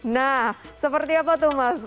nah seperti apa tuh mas